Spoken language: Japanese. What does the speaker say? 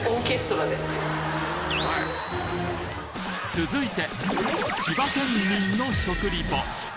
続いて千葉県民の食リポ